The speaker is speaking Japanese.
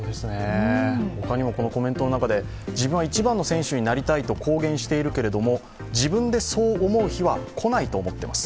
他にもコメントの中で自分は一番の選手になりたいと公言しているけれども、自分でそう思う日は来ないと思っています。